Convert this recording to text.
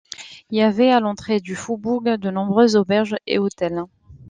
Il y avait à l'entrée du faubourg de nombreuses auberges et hôtels.